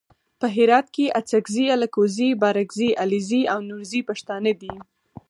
په هرات کې اڅګزي الکوزي بارګزي علیزي او نورزي پښتانه دي.